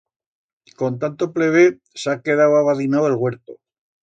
Con tanto plever s'ha quedau abadinau el huerto.